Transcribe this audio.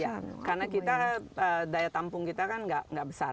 iya karena kita daya tampung kita kan nggak besar